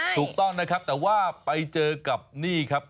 ถูกต้องนะครับแต่ว่าไปเจอกับนี่ครับ